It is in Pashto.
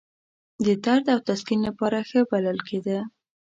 د درد او تسکین لپاره ښه بلل کېده.